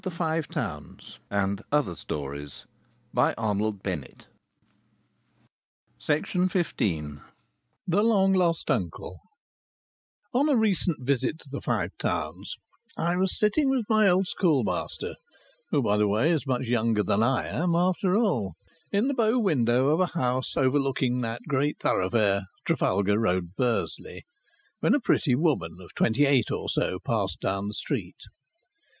His wife (for he got one, and a good one) soon cured him of that. THE LONG LOST UNCLE On a recent visit to the Five Towns I was sitting with my old schoolmaster, who, by the way, is much younger than I am after all, in the bow window of a house overlooking that great thoroughfare, Trafalgar Road, Bursley, when a pretty woman of twenty eight or so passed down the street.